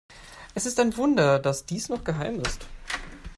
Es ist ein Wunder, dass dies noch geheim ist.